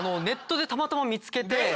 ネットでたまたま見つけて。